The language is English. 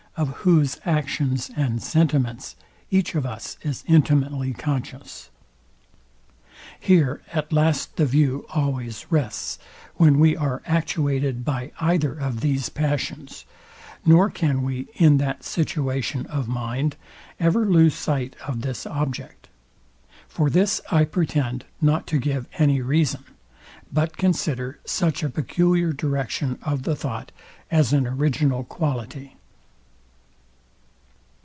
of whose actions and sentiments each of us is intimately conscious. Here at last the view always rests, when we are actuated by either of these passions; nor can we, in that situation of mind, ever lose sight of this object. For this I pretend not to give any reason; but consider such a peculiar direction of the thought as an original quality.